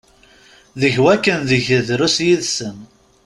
Deg wakken deg drus yid-sen.